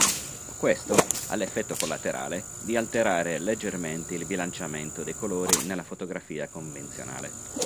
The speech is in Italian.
Questo ha l'effetto collaterale di alterare leggermente il bilanciamento dei colori nella fotografia convenzionale.